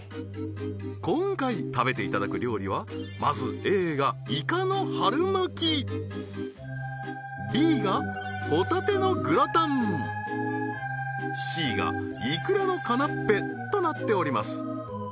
今回食べていただく料理はまずＡがイカの春巻きＢがホタテのグラタンＣがいくらのカナッペとなっております